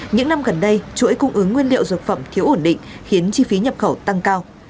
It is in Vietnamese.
những năm gần đây chuỗi cung ứng nguyên liệu dược phẩm thiếu ổn định khiến chi phí nhập khẩu tăng cao